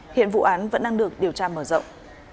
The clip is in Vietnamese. hiện vụ án vẫn đang được điều tra mở rộng